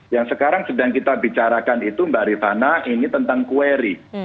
yang sekarang sedang kita bicarakan itu mbak rifana ini tentang kueri